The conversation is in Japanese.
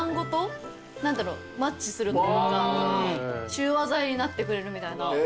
中和剤になってくれるみたいな。